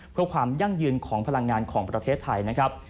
เพื่อความยั่งยืนของพลังงานของประเทศไทยนะครับ